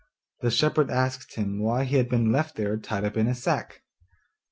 The shepherd asked him why he had been left there tied up in a sack.